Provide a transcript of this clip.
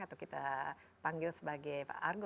atau kita panggil sebagai pak argo